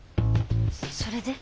それで？